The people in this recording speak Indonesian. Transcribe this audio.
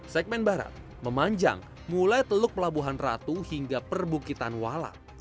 segmen barat memanjang mulai teluk pelabuhan ratu hingga perbukitan walau